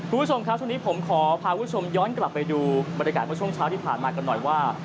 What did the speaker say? คุณผู้ชมครับช่วงนี้ผมขอพาคุณผู้ชมย้อนกลับไปดูบรรยากาศเมื่อช่วงเช้าที่ผ่านมากันหน่อยว่า